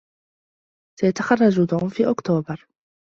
سيتخرج توم في أكتوبر.